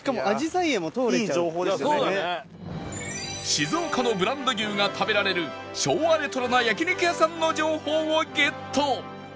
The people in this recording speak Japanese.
静岡のブランド牛が食べられる昭和レトロな焼肉屋さんの情報をゲット